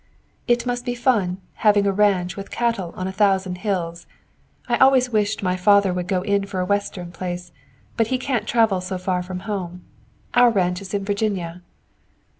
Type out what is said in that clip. "It must be fun having a ranch with cattle on a thousand hills. I always wished my father would go in for a western place, but he can't travel so far from home. Our ranch is in Virginia."